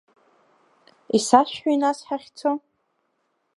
Исашәҳәеи нас ҳахьцо?